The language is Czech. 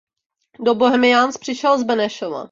Do Bohemians přišel z Benešova.